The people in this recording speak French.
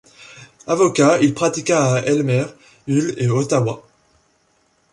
Avocat, il pratiqua à Aylmer, Hull et Ottawa.